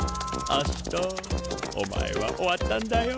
アシトお前は終わったんだよ。